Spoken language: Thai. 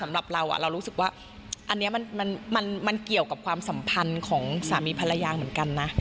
สำหรับเราเรารู้สึกว่าอันนี้มันเกี่ยวกับความสัมพันธ์ของสามีภรรยาเหมือนกันนะ